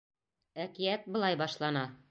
ӘКИӘТ БЫЛАЙ БАШЛАНА